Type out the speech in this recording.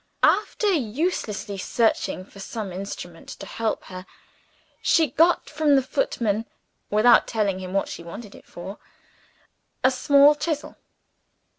After uselessly searching for some instrument to help her, she got from the footman (without telling him what she wanted it for) a small chisel.